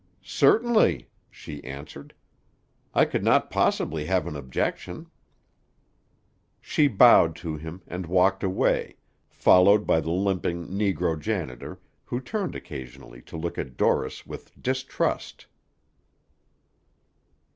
"Certainly," she answered. "I could not possibly have an objection." She bowed to him, and walked away, followed by the limping negro janitor, who turned occasionally to look at Dorris with distrust.